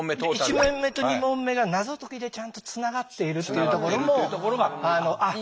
１問目と２問目が謎解きでちゃんとつながっているっていうところもあっ